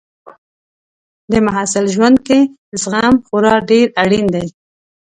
د محصل ژوند کې زغم خورا ډېر اړین دی.